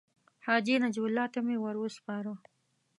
حاجي نجیب الله ته مې ورو سپاره.